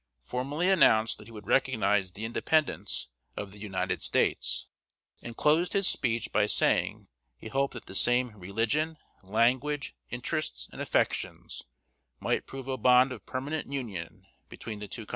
formally announced that he would recognize the independence of the United States, and closed his speech by saying he hoped that the same "religion, language, interests, and affections might prove a bond of permanent union between the two countries."